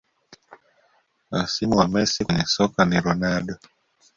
Hasimu wa Messi kwenye soka ni Ronaldo